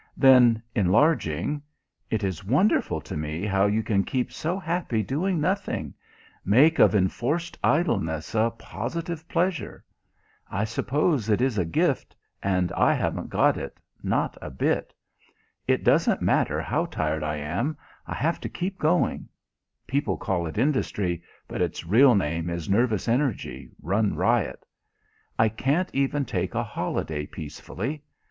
Then, enlarging: "It is wonderful to me how you can keep so happy doing nothing make of enforced idleness a positive pleasure! I suppose it is a gift, and I haven't got it not a bit. It doesn't matter how tired I am, I have to keep going people call it industry, but its real name is nervous energy, run riot. I can't even take a holiday peacefully.